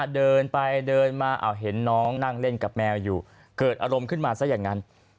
เดินไปเดินมาเห็นน้องนั่งเล่นกับแมวอยู่เกิดอารมณ์ขึ้นมาซะอย่างนั้น